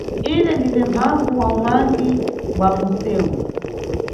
Ine ndine mphambvu ya umangi bwa munʼsewu.